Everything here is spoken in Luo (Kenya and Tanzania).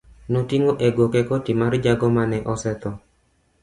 Noting'o e goke koti mar jago mane osetho.